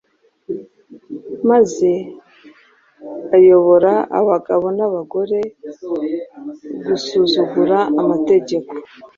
maze ayobora abagabo n’abagore gusuzugura amategeko.